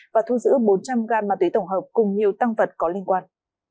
và thu giữ bốn trăm linh g ma túy tổng hợp cùng nhiều tăng vật có liên quan